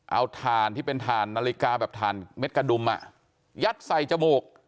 เอาถ่านที่เป็นถ่านนาฬิกาแบบถ่านเม็ดกระดุมยัดใส่จมูก